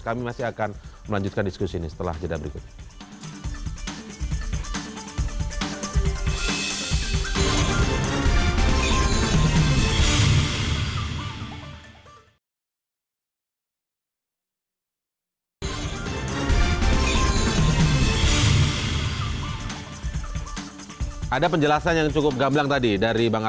kami masih akan melanjutkan diskusi ini setelah jeda berikutnya